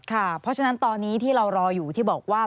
เพราะฉะนั้นตอนนี้ที่เรารออยู่ที่บอกว่า